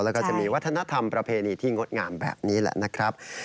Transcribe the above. แล้วก็จะมีวัฒนธรรมประเพณีที่งดงามแบบนี้แหละนะครับ